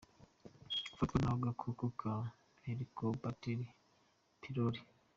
Gufatwa n’agakoko ka Helicobacter pylori;.